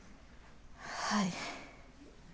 はい。